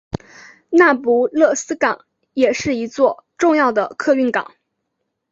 那不勒斯港也是一座重要的客运港。